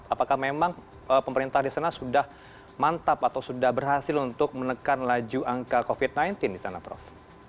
apakah memang pemerintah di sana sudah mantap atau sudah berhasil untuk menekan laju angka covid sembilan belas di sana prof